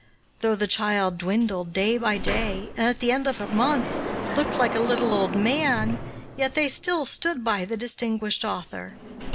Though the child dwindled, day by day, and, at the end of a month, looked like a little old man, yet they still stood by the distinguished author.